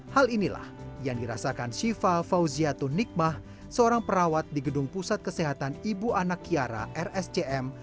hal inilah yang dirasakan syifa fauziatun nikmah seorang perawat di gedung pusat kesehatan ibu anak kiara rscm